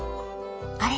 あれ？